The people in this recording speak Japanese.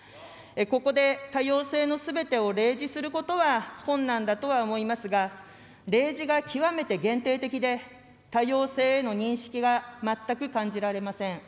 ここで、多様性のすべてを例示することは困難だとは思いますが、例示が極めて限定的で、多様性への認識が全く感じられません。